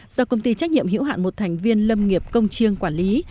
do công ty trách nhiệm hữu hạn một thành viên lâm nghiệp công chiêng quản lý